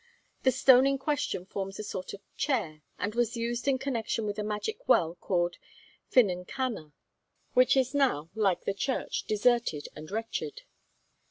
The stone in question forms a sort of chair, and was used in connection with a magic well called Ffynon Canna, which is now, like the church, deserted and wretched.